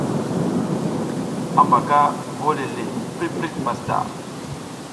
Hambaka bole le, prik prik pastaʼa.